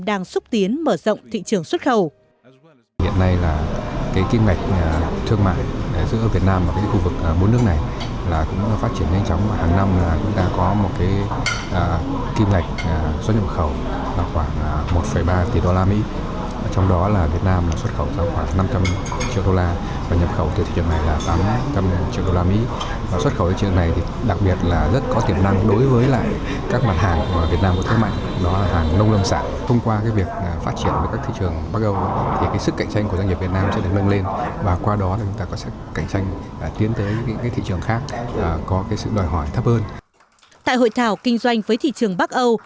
đang xúc tiến mở rộng thị trường xuất khẩu